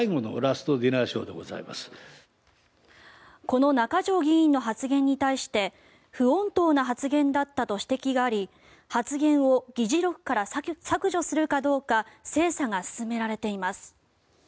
この中条議員の発言に対して不穏当な発言だったと指摘があり発言を議事録から削除するかどうか精査が進められています。